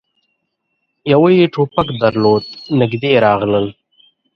يوه يې ټوپک درلود. نږدې راغلل،